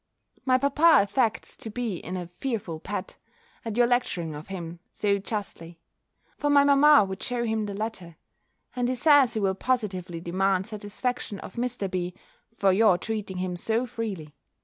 My papa affects to be in a fearful pet, at your lecturing of him So justly; for my mamma would show him the letter; and he says he will positively demand satisfaction of Mr. B. for your treating him so freely.